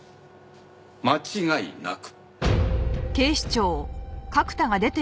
間違いなく。